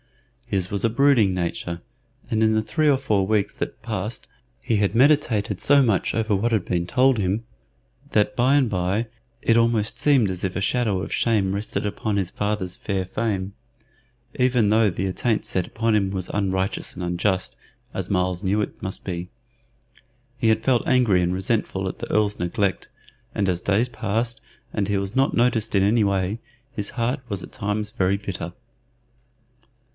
His was a brooding nature, and in the three or four weeks that passed he had meditated so much over what had been told him, that by and by it almost seemed as if a shadow of shame rested upon his father's fair fame, even though the attaint set upon him was unrighteous and unjust, as Myles knew it must be. He had felt angry and resentful at the Earl's neglect, and as days passed and he was not noticed in any way, his heart was at times very bitter.